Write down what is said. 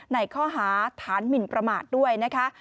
ในข้อหาฐานหมินประมาทด้วยนะคะ